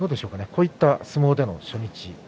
こういった相撲での初日。